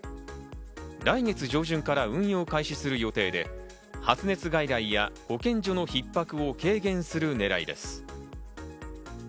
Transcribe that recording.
来月上旬から運用を開始する予定で、発熱外来や保健所のひっ迫を軽減するねらいです。